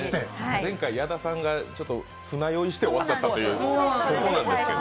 前回、矢田さんがちょっと船酔いして終わっちゃったという、そこなんですけど。